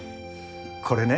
これね